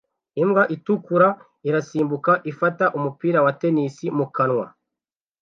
Imbwa itukura irasimbuka ifata umupira wa tennis mu kanwa